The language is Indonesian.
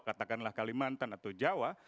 katakanlah kalimantan atau jawa